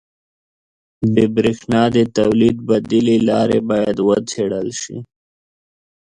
• د برېښنا د تولید بدیلې لارې باید وڅېړل شي.